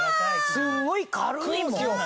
すんごい軽いもん。